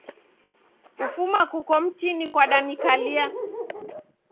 Kufuma kuko mtini kwadanikalia.